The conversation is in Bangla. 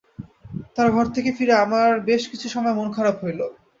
তাঁর ঘর থেকে ফিরে আমার বেশ কিছু সময় মন-খারাপ রইল।